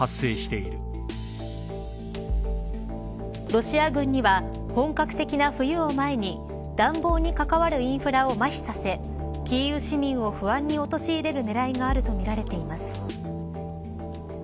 ロシア軍には本格的な冬を前に暖房に関わるインフラをまひさせキーウ市民を不安に陥れる狙いがあるとみられています。